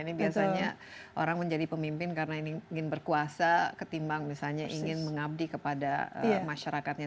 ini biasanya orang menjadi pemimpin karena ini ingin berkuasa ketimbang misalnya ingin mengabdi kepada masyarakatnya